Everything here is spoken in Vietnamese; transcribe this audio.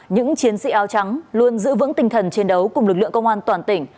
những chiến sĩ áo trắng luôn giữ vững tinh thần chiến đấu cùng lực lượng công an toàn tỉnh